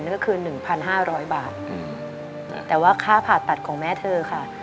นั่นก็คือหนึ่งพันห้าร้อยบาทอืมแต่ว่าค่าผ่าตัดของแม่เธอค่ะ